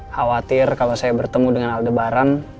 khawatir kalau saya bertemu dengan aldebaran